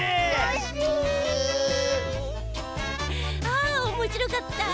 あおもしろかった！